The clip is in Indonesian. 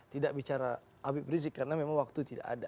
tidak bicara habib rizik karena memang waktu tidak ada